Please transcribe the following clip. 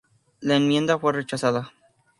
La enmienda fue rechazada.